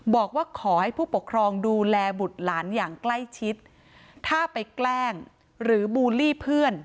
บอกว่าขอให้ผู้ปกครองดูแลบุตรหลานอย่างใกล้ชิดถ้าไปแกล้งหรือบูลลี่เพื่อน